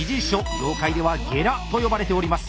業界では「ゲラ」と呼ばれております。